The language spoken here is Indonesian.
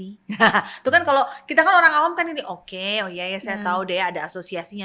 itu kan kalau kita kan orang awam kan ini oke oh iya ya saya tahu deh ada asosiasinya